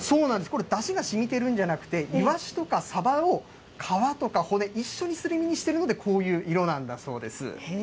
これ、だしがしみてるんじゃなくて、イワシとかサバを皮とか骨、一緒にすり身にしているので、こういう色なんだそうです。